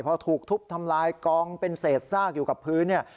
พอถูกทุบทำลายกองเป็นเศษซากอยู่กับพื้นเนี่ย